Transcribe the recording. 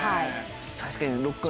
確かに。